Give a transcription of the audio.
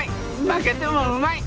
負けてもうまい。